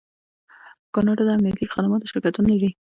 کاناډا د امنیتي خدماتو شرکتونه لري.